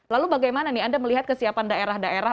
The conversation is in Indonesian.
lalu bagaimana nih anda melihat kesiapan daerah daerah